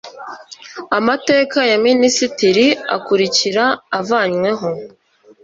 Amateka ya Minisitiri akurikira avanyweho